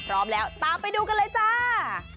พร้อมแล้วตามไปดูกันเลยจ้า